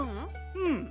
うん。